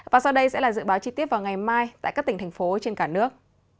và sau đây sẽ là dự báo chi tiết vào ngày mai tại các tỉnh thành phố trên cả nước